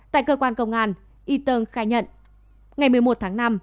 tại cơ quan công an eton khai nhận ngày một mươi một tháng năm